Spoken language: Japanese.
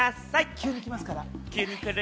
急に来ますから。